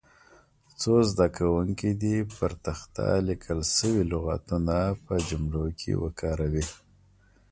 څو زده کوونکي دې پر تخته لیکل شوي لغتونه په جملو کې وکاروي.